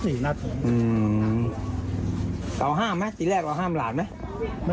เดี๋ยวตอนแรกเอาห้ามหรอหลานมั้ย